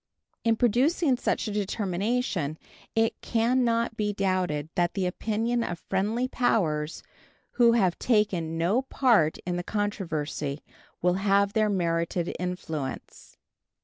In producing such a determination it can not be doubted that the opinion of friendly powers who have taken no part in the controversy will have their merited influence.